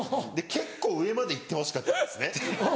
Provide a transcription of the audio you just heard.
結構上まで行ってほしかったんですね。